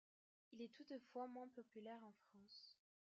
Il est toutefois moins populaire en France.